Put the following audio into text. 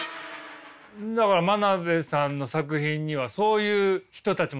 だから真鍋さんの作品にはそういう人たちも出てきますもんね。